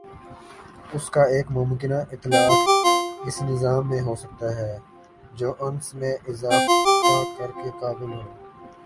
اس کا ایک ممکنہ اطلاق ایس نظام میں ہو سکتا ہے جو انس میں اضافہ کر کے قابل ہو